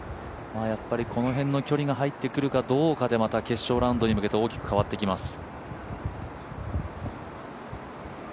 この辺の距離が入ってくるかどうかでまた決勝ラウンドに向けて大きく変わってきます。